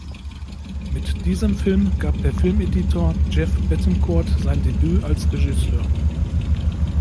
Mit diesem Film gab der Filmeditor Jeff Betancourt sein Debüt als Regisseur.